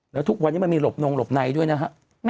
แล้วทุกวันนี้มันมีหลบนงหลบในด้วยนะฮะ